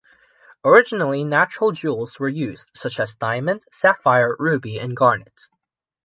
Originally natural jewels were used, such as diamond, sapphire, ruby, and garnet.